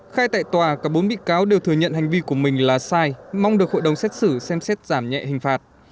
khai tại tòa cả bốn bị cáo đều thừa nhận hành vi của mình là sai mong được hội đồng xét xử xem xét giảm nhẹ hình phạt